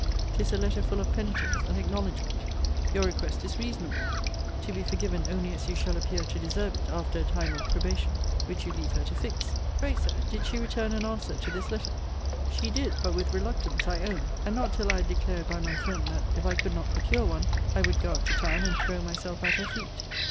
'Tis a letter full of penitence and acknowledgement. Your request is reasonable To be forgiven only as you shall appear to deserve it after a time of probation, which you leave to her to fix. Pray, Sir, did she return an answer to this letter? She did, but with reluctance, I own, and not till I had declared by my friend, that, if I could not procure one, I would go up to town, and throw myself at her feet.